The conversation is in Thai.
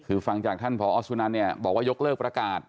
คือฟังจากท่านพอสุนันเนี่ยบอกว่ายกเลิกประกาศ